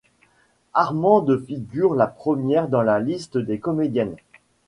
Armande figure la première dans la liste des comédiennes.